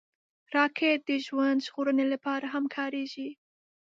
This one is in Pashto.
راکټ د ژوند ژغورنې لپاره هم کارېږي